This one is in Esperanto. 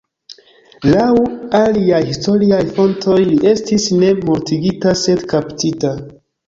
Laŭ aliaj historiaj fontoj li estis ne mortigita, sed kaptita.